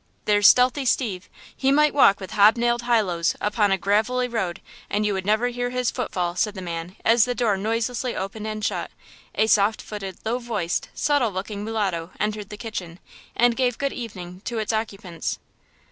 "There's 'Stealthy Steve!–he might walk with hob nailed high lows upon a gravelly road, and you would never hear his footfall," said the man, as the door noiselessly opened and shut, a soft footed, low voiced, subtle looking mulatto entered the kitchen, and gave good evening to its occupants.